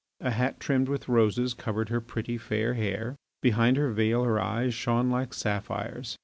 A hat trimmed with roses covered her pretty, fair hair. Behind her veil her eyes shone like sapphires.